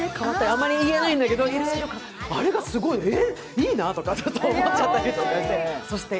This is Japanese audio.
あまり言えないんだけど、あれがすごいの、えーいいなとか思っちゃったりして。